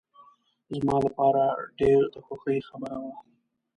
زما لپاره ډېر د خوښۍ خبره وه.